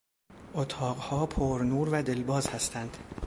اتاقها پر نور و دلباز هستند.